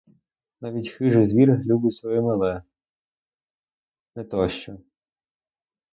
Навіть хижий звір любить своє мале, не то що.